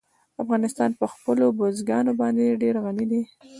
افغانستان په خپلو بزګانو باندې ډېر غني دی.